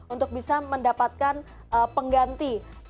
untuk bisa mendapatkan pengganti